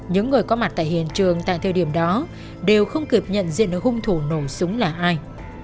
những người có mặt tại hiện trường tại thời điểm đó đều không kịp nhận diện được hung thủ nổ súng là ai